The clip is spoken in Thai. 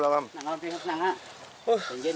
น่าสิบ๊อตน่าสิบ๊อต